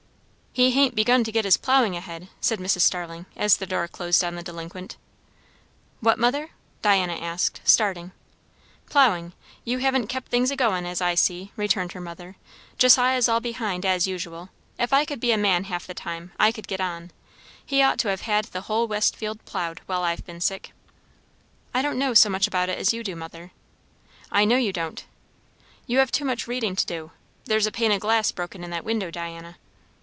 "He hain't begun to get his ploughing ahead," said Mrs. Starling, as the door closed on the delinquent. "What, mother?" Diana asked, starting. "Ploughing. You haven't kept things a going, as I see," returned her mother. "Josiah's all behind, as usual. If I could be a man half the time, I could get on. He ought to have had the whole west field ploughed, while I've been sick." "I don't know so much about it as you do, mother." "I know you don't. You have too much readin' to do. There's a pane of glass broken in that window, Diana."